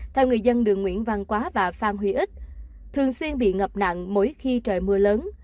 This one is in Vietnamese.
theo người dân đường nguyễn văn quá và phan huy ích thường xuyên bị ngập nặng mỗi khi trời mưa lớn